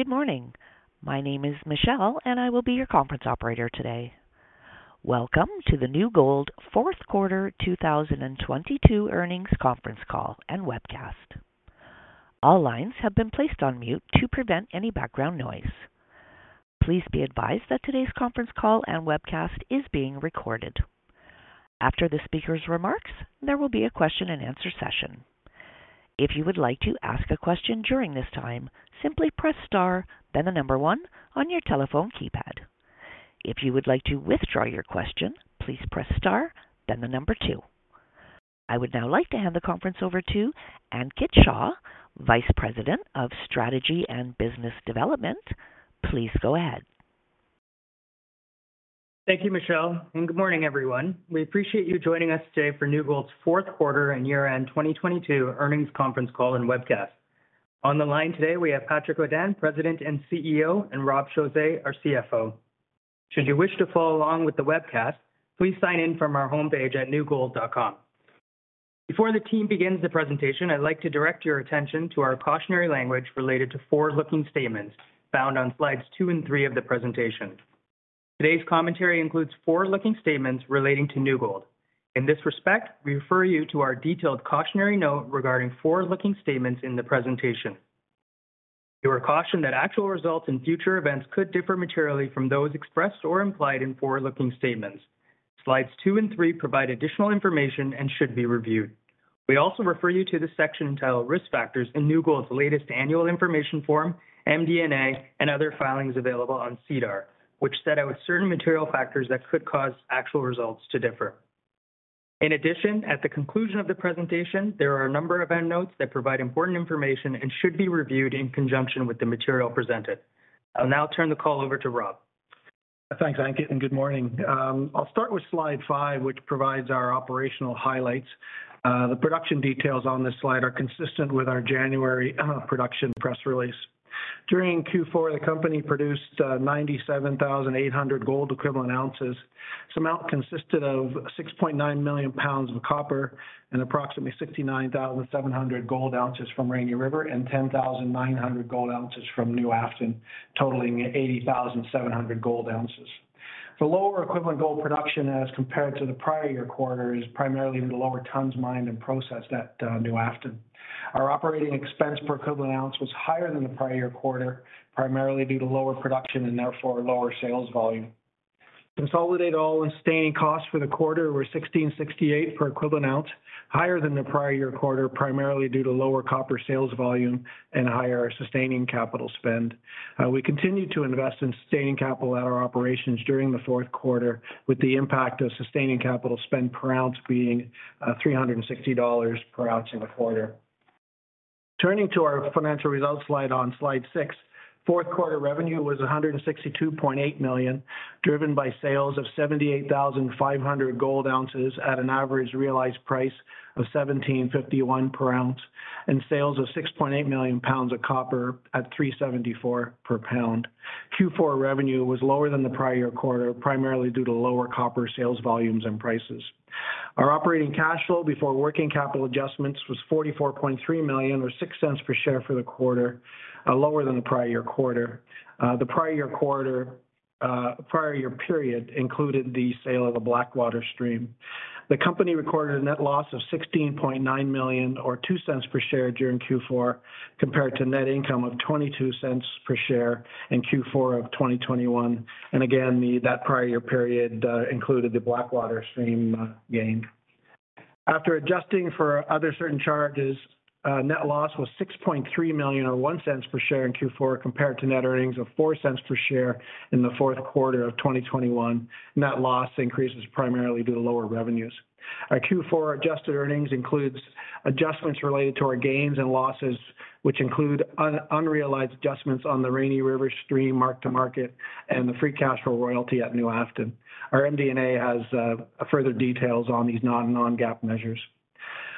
Good morning. My name is Michelle, and I will be your conference operator today. Welcome to the New Gold fourth quarter 2022 earnings conference call and webcast. All lines have been placed on mute to prevent any background noise. Please be advised that today's conference call and webcast is being recorded. After the speaker's remarks, there will be a question-and-answer session. If you would like to ask a question during this time, simply press star, then the one on your telephone keypad. If you would like to withdraw your question, please press star then the two. I would now like to hand the conference over to Ankit Shah, Vice President of Strategy and Business Development. Please go ahead. Thank you, Michelle. Good morning, everyone. We appreciate you joining us today for New Gold's fourth quarter and year-end 2022 earnings conference call and webcast. On the line today, we have Patrick Godin, President and CEO, and Rob Chausse, our CFO. Should you wish to follow along with the webcast, please sign in from our homepage at newgold.com. Before the team begins the presentation, I'd like to direct your attention to our cautionary language related to forward-looking statements found on slides two and three of the presentation. Today's commentary includes forward-looking statements relating to New Gold. In this respect, we refer you to our detailed cautionary note regarding forward-looking statements in the presentation. You are cautioned that actual results in future events could differ materially from those expressed or implied in forward-looking statements. Slides two and three provide additional information and should be reviewed. We also refer you to the section entitled Risk Factors in New Gold's latest Annual Information Form, MD&A, and other filings available on SEDAR, which set out certain material factors that could cause actual results to differ. In addition, at the conclusion of the presentation, there are a number of endnotes that provide important information and should be reviewed in conjunction with the material presented. I'll now turn the call over to Rob. Thanks, Ankit. Good morning. I'll start with slide five, which provides our operational highlights. The production details on this slide are consistent with our January production press release. During Q4, the company produced 97,800 gold equivalent ounces. Some out consisted of 6.9 million pounds of copper and approximately 69,700 gold ounces from Rainy River and 10,900 gold ounces from New Afton, totaling 80,700 gold ounces. The lower equivalent gold production as compared to the prior year quarter is primarily the lower tons mined and processed at New Afton. Our operating expense per equivalent ounce was higher than the prior year quarter, primarily due to lower production and therefore lower sales volume. Consolidated all-in sustaining costs for the quarter were $1,668 per equivalent ounce, higher than the prior-year quarter, primarily due to lower copper sales volume and higher sustaining capital spend. We continued to invest in sustaining capital at our operations during the fourth quarter, with the impact of sustaining capital spend per ounce being $360 per ounce in the quarter. Turning to our financial results Slide 6, fourth quarter revenue was $162.8 million, driven by sales of 78,500 gold ounces at an average realized price of $1,751 per ounce and sales of 6.8 million pounds of copper at $3.74 per pound. Q4 revenue was lower than the prior-year quarter, primarily due to lower copper sales volumes and prices. Our operating cash flow before working capital adjustments was $44.3 million or $0.06 per share for the quarter, lower than the prior year quarter. The prior year period included the sale of a Blackwater stream. The company recorded a net loss of $16.9 million or $0.02 per share during Q4, compared to net income of $0.22 per share in Q4 of 2021. Again, that prior year period included the Blackwater stream gain. After adjusting for other certain charges, net loss was $6.3 million or $0.01 per share in Q4 compared to net earnings of $0.04 per share in the fourth quarter of 2021. Net loss increases primarily due to lower revenues. Our Q4 adjusted earnings includes adjustments related to our gains and losses, which include unrealized adjustments on the Rainy River stream mark-to-market and the free cash flow royalty at New Afton. Our MD&A has further details on these non-GAAP measures.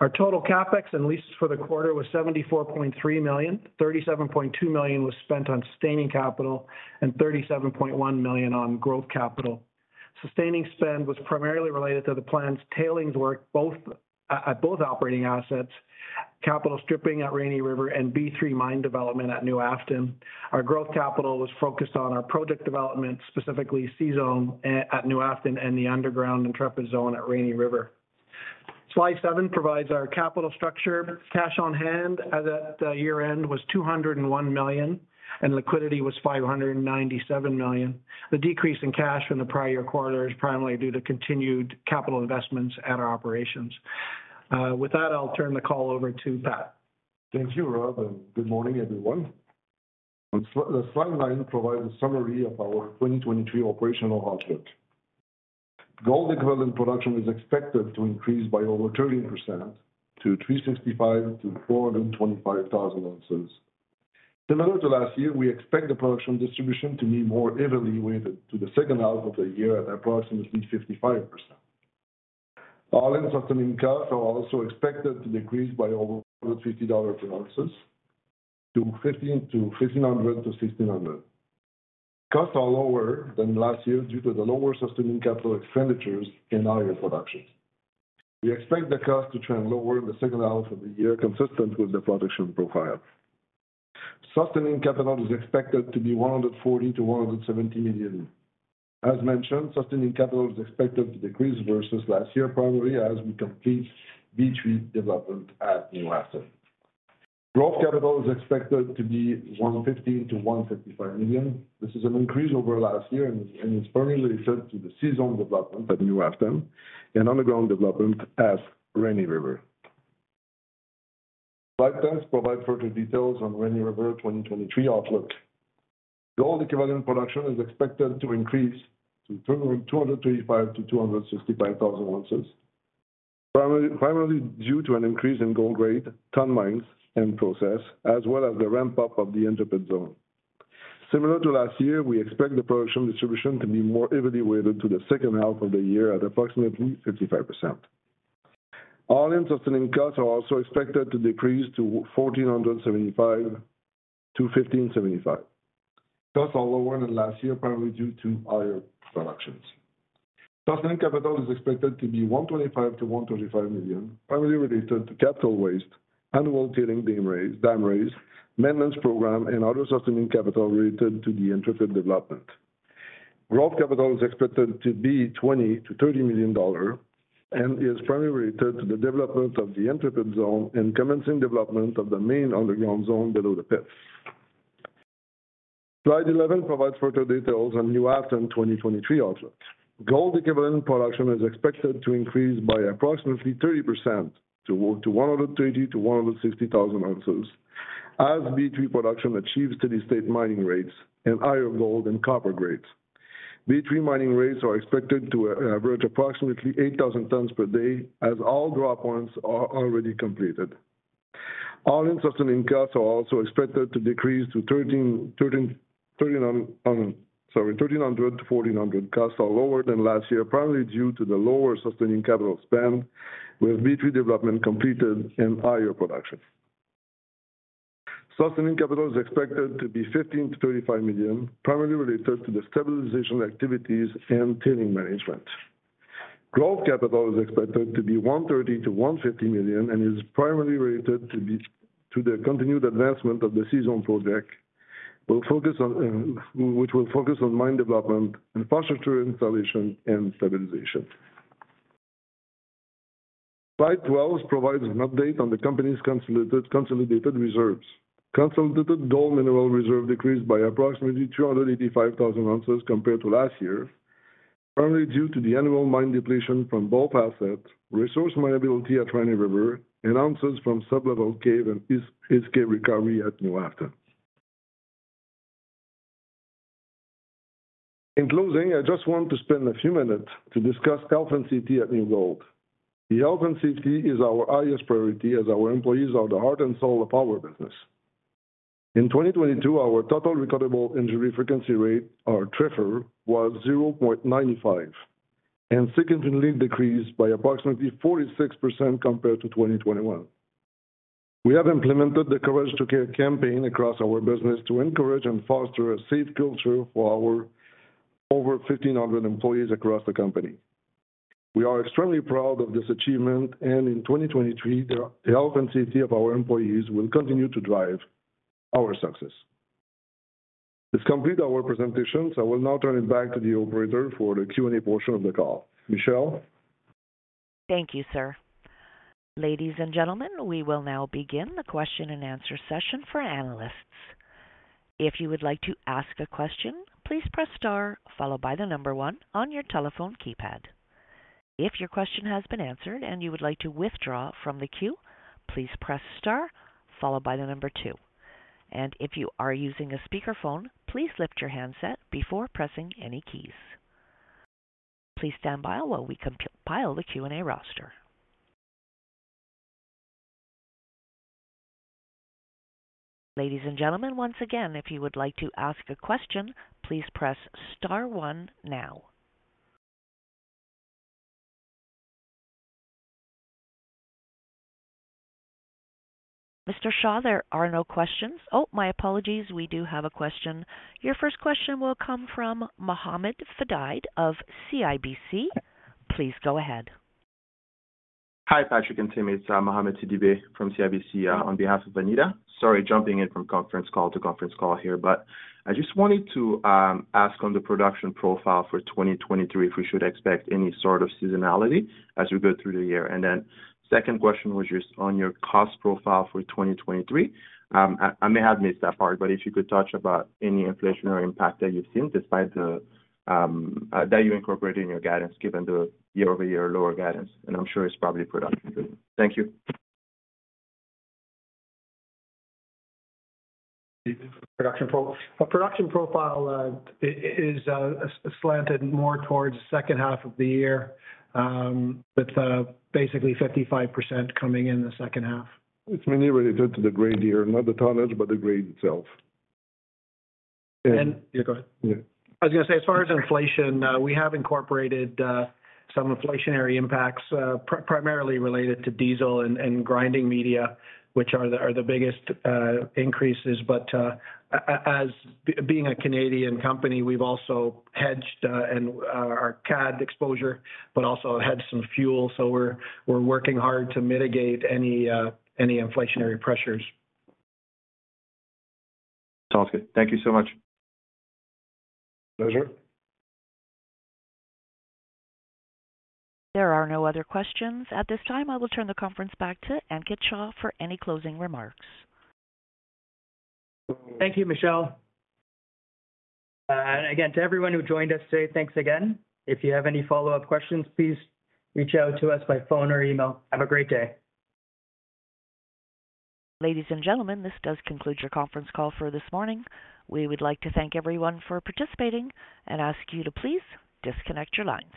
Our total CapEx and leases for the quarter was $74.3 million. $37.2 million was spent on sustaining capital and $37.1 million on growth capital. Sustaining spend was primarily related to the plant's tailings work, at both operating assets, capital stripping at Rainy River and B3 mine development at New Afton. Our growth capital was focused on our project development, specifically C-Zone at New Afton and the underground Intrepid Zone at Rainy River. Slide seven provides our capital structure. Cash on hand as at year-end was $201 million, and liquidity was $597 million. The decrease in cash from the prior year quarter is primarily due to continued capital investments at our operations. With that, I'll turn the call over to Pat. Thank you, Rob, and good morning, everyone. Slide nine provides a summary of our 2023 operational outlook. gold equivalent production is expected to increase by over 13% to 365,000 ounces-425,000 ounces. Similar to last year, we expect the production distribution to be more evenly weighted to the second half of the year at approximately 55%. All-in sustaining costs are also expected to decrease by over $50 an ounce to $1,500-$1,600 an ounce. Costs are lower than last year due to the lower sustaining capital expenditures in higher productions. We expect the cost to trend lower in the second half of the year, consistent with the production profile. Sustaining capital is expected to be $140 million-$170 million. As mentioned, Sustaining capital is expected to decrease versus last year, primarily as we complete B-three development at New Afton. Growth capital is expected to be $150 million-$155 million. This is an increase over last year and it's primarily referred to the C-zone development at New Afton and underground development at Rainy River. Slide 10 provide further details on Rainy River 2023 outlook. Gold equivalent production is expected to increase to 225,000 ounces-265,000 ounces, primarily due to an increase in gold grade, ton mines and process, as well as the ramp-up of the Intrepid zone. Similar to last year, we expect the production distribution to be more heavily weighted to the second half of the year at approximately 55%. All-in sustaining costs are also expected to decrease to $1,475-$1,575. Costs are lower than last year, primarily due to higher productions. Sustaining capital is expected to be $125 million-$125 million, primarily related to capital waste, annual tailing being raised, dam raise, maintenance program and other sustaining capital related to the Intrepid development. Growth capital is expected to be $20 million-$30 million and is primarily related to the development of the Intrepid zone and commencing development of the main underground zone below the pits. Slide eleven provides further details on New Afton 2023 outlook. Gold equivalent production is expected to increase by approximately 30% to 120,000 ounces-160,000 ounces as B-three production achieves steady-state mining rates and higher gold and copper grades. B-three mining rates are expected to average approximately 8,000 tons per day as all draw points are already completed. all-in sustaining costs are also expected to decrease to $1,300-$1,400. Costs are lower than last year, primarily due to the lower sustaining capital spend with B-three development completed and higher production. Sustaining capital is expected to be $50 million-$35 million, primarily related to the stabilization activities and tailing management. Growth capital is expected to be $130 million-$150 million and is primarily related to the continued advancement of the C-zone project will focus on, which will focus on mine development, infrastructure installation and stabilization. Slide 12 provides an update on the company's consolidated reserves. Consolidated gold mineral reserve decreased by approximately 285,000 ounces compared to last year, primarily due to the annual mine depletion from both assets, resource minability at Rainy River and ounces from sub-level cave and escape recovery at New Afton. In closing, I just want to spend a few minutes to discuss health and safety at New Gold. The health and safety is our highest priority as our employees are the heart and soul of our business. In 2022, our total recordable injury frequency rate or TRIR was 0.95 and significantly decreased by approximately 46% compared to 2021. We have implemented the Courage to Care campaign across our business to encourage and foster a safe culture for our over 1,500 employees across the company. We are extremely proud of this achievement, in 2023, the health and safety of our employees will continue to drive our success. This complete our presentation. I will now turn it back to the operator for the Q&A portion of the call. Michelle? Thank you, sir. Ladies and gentlemen, we will now begin the question and answer session for analysts. If you would like to ask a question, please press star followed by one on your telephone keypad. If your question has been answered and you would like to withdraw from the queue, please press star followed by two. If you are using a speakerphone, please lift your handset before pressing any keys. Please stand by while we compile the Q&A roster. Ladies and gentlemen, once again, if you would like to ask a question, please press star one now. Mr. Shah, there are no questions. Oh, my apologies, we do have a question. Your first question will come from Mohamed Sidibé of CIBC. Please go ahead. Hi, Patrick and teammates. I'm Mohamed Sidibé from CIBC on behalf of Anita. Sorry, jumping in from conference call to conference call here, but I just wanted to ask on the production profile for 2023, if we should expect any sort of seasonality as we go through the year? Second question was just on your cost profile for 2023. I may have missed that part, but if you could touch about any inflationary impact that you've seen despite the that you incorporate in your guidance given the year-over-year lower guidance. I'm sure it's probably production. Thank you. Production profile is slanted more towards second half of the year, with basically 55% coming in the second half. It's mainly related to the grade year, not the tonnage, but the grade itself. Yeah, go ahead. I was gonna say, as far as inflation, we have incorporated some inflationary impacts primarily related to diesel and grinding media, which are the biggest increases. As being a Canadian company, we've also hedged and our CAD exposure, but also hedged some fuel. We're working hard to mitigate any inflationary pressures. Sounds good. Thank you so much. Pleasure. There are no other questions. At this time, I will turn the conference back to Ankit Shah for any closing remarks. Thank you, Michelle. Again, to everyone who joined us today, thanks again. If you have any follow-up questions, please reach out to us by phone or email. Have a great day. Ladies and gentlemen, this does conclude your conference call for this morning. We would like to thank everyone for participating and ask you to please disconnect your lines.